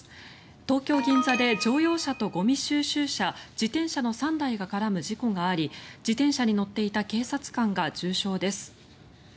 東京・銀座で乗用車とゴミ収集車自転車の３台が絡む事故があり自転車に乗っていた警察官が重傷です。